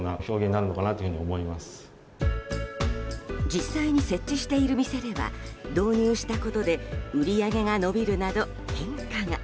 実際に設置している店では導入したことで売り上げが伸びるなど、変化が。